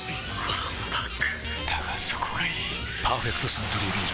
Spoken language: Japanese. わんぱくだがそこがいい「パーフェクトサントリービール糖質ゼロ」